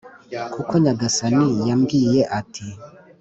Kuko Nyagasani yambwiye ati